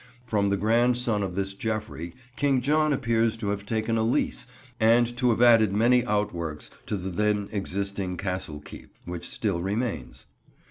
From the grandson of this Geoffrey, King John appears to have taken a lease and to have added many outworks to the then existing castle keep, which still remains.